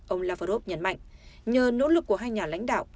ông lavrov nhấn mạnh nhờ nỗ lực của hai nhà lãnh đạo